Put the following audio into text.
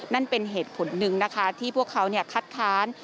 นั่นเป็นเหตุผลหนึ่งนะคะที่พวกเขาคัดค้าน